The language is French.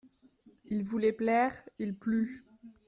Il voulait plaire, il plut.